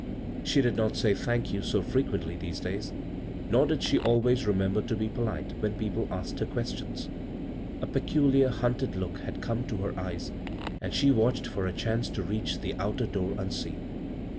She did not say " thank you " so frequently these days, nor did she always remember to be polite when people asked her questions. A peculiar, hunted look had come to her eyes, and she watched for a chance to reach the outer door unseen.